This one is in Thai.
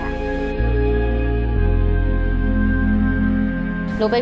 เพื่อร้องได้ให้ร้าง